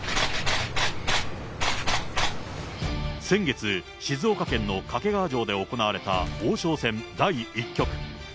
先月、静岡県の掛川城で行われた王将戦第１局。